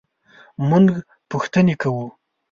مونږ پوښتنې کوو